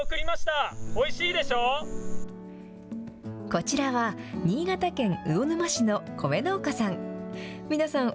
こちらは新潟県魚沼市の米農家さん。